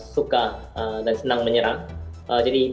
saya juga menarik dari thailand